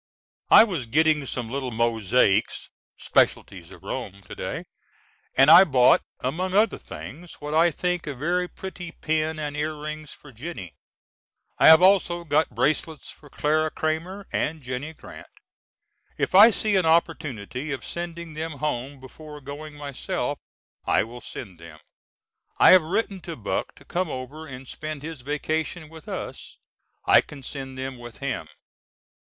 I was getting some little mosaics specialties of Rome to day and I bought, among other things, what I think a very pretty pin and earrings for Jennie. I have also got bracelets for Clara Cramer and Jennie Grant. If I see an opportunity of sending them home before going myself I will send them. I have written to Buck to come over and spend his vacation with us. I can send them with him.